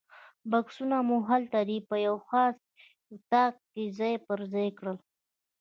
بکسونه مو هلته په یوه خاص اتاق کې ځای پر ځای کړل.